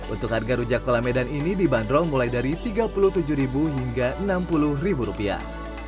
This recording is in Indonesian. untuk harga rujak kolamedan ini dibanderol mulai dari tiga puluh tujuh hingga enam puluh rupiah